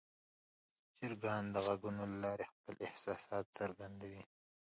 چرګان د غږونو له لارې خپل احساسات څرګندوي.